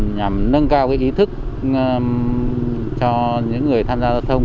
nhằm nâng cao ý thức cho những người tham gia giao thông